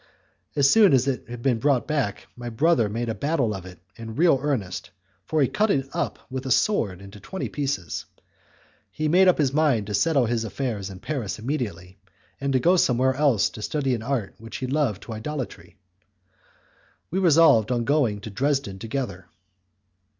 As soon as it had been brought back my brother made a battle of it in real earnest, for he cut it up with a sword into twenty pieces. He made up his mind to settle his affairs in Paris immediately, and to go somewhere else to study an art which he loved to idolatry; we resolved on going to Dresden together.